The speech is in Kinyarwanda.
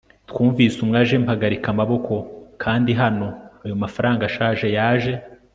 twumvise umwe aje mpagarika amaboko kandi hano ayo mafranga ashaje yaje